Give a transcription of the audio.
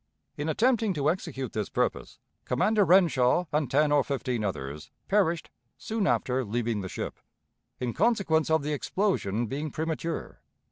In attempting to execute this purpose, Commander Renshaw and ten or fifteen others perished soon after leaving the ship, in consequence of the explosion being premature.